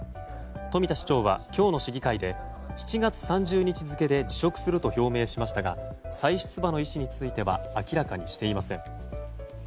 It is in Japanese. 冨田市長は今日の市議会で７月３０日付で辞職すると表明しましたが再出馬の意思については明らかにしていません。